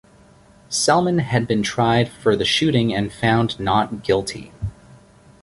Selman had been tried for the shooting, and found not guilty.